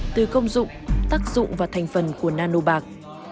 từ công dụng tác dụng và thành phần của nano bạc